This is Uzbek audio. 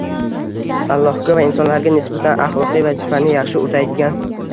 Allohga va insonlarga nisbatan axloqiy vazifani yaxshi o'taydigan